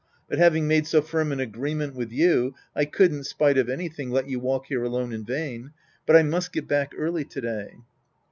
But having made so firm an agreement with you, I couldn't, spite of anything, let you wait here alone in vain. But I must get back early to day.